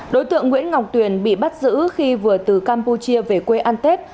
đối tượng nguyễn ngọc tuyển bị bắt giữ khi vừa từ campuchia về quê an tết